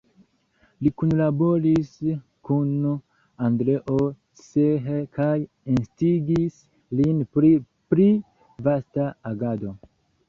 Li kunlaboris kun Andreo Cseh kaj instigis lin pri pli vasta agado.